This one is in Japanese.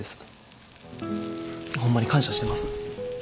ホンマに感謝してます。